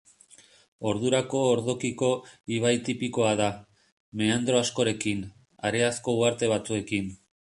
Ordurako ordokiko ibai tipikoa da, meandro askorekin, hareazko uharte batzuekin.